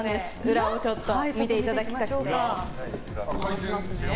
裏も見ていただきたくて。